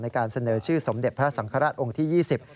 การเสนอชื่อสมเด็จพระสังฆราชองค์ที่๒๐